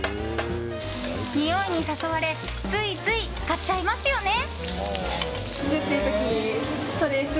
においに誘われついつい買っちゃいますよね。